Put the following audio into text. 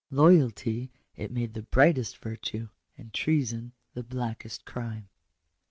Loyalty it made the brightest virtue, and treason the blackest crime.